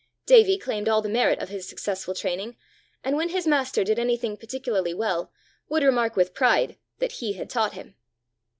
Davie claimed all the merit of his successful training; and when his master did anything particularly well, would remark with pride, that he had taught him.